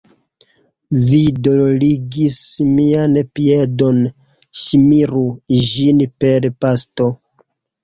Mi dolorigis mian piedon, ŝmiru ĝin per pasto.